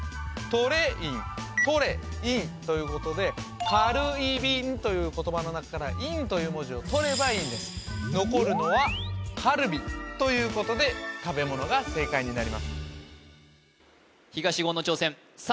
トレイン取れインということでカルイビンという言葉の中からインという文字を取ればいいんです残るのはカルビということで食べ物が正解になります東言の挑戦